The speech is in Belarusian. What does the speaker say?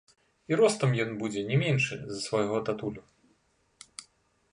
І ростам ён будзе не меншы за свайго татулю.